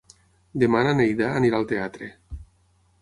Demà na Neida anirà al teatre.